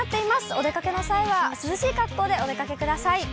お出かけの際は涼しい格好でお出かけください。